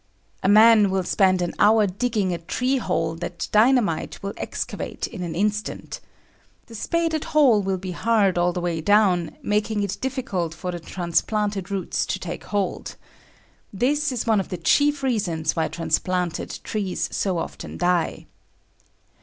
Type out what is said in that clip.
A man will spend an hour digging a tree hole that dynamite will excavate in an instant. The spaded hole will be hard all the way down, making it difficult for the transplanted roots to take hold. This is one of the chief reasons why transplanted trees so often die.